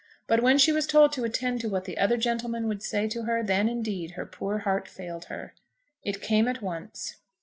But when she was told to attend to what the other gentleman would say to her, then, indeed, her poor heart failed her. It came at once.